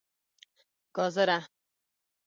🥕 ګازره